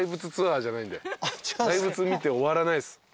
大佛見て終わらないです。